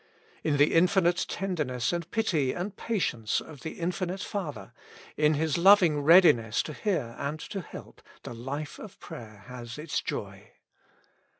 In the infinite tenderness and pity and patience of the infinite Father, in His loving readi ness to hear and to help, the life of prayer has its joy.